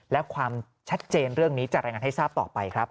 และความชัดเจนเรื่องนี้จะรายงานให้ทราบต่อไปครับ